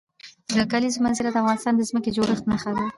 د کلیزو منظره د افغانستان د ځمکې د جوړښت نښه ده.